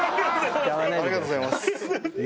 ありがとうございます。